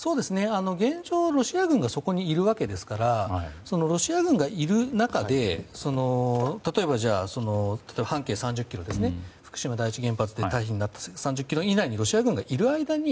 現状、ロシア軍がそこにいるわけですからロシア軍がいる中で例えば、半径３０ｋｍ福島第一原発で退避になった３０ｋｍ以内にロシア軍がいる間に